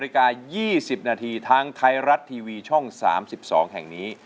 และวันอาทิตย์๑๘นาฬิกา๒๐นาทีทางไทยรัฐทีวีช่อง๓๒แห่งนี้